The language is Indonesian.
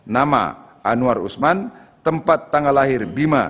nama anwar usman tempat tanggal lahir lima tiga puluh satu seribu sembilan ratus lima puluh enam